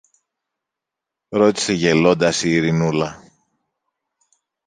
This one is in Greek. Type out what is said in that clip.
ρώτησε γελώντας η Ειρηνούλα.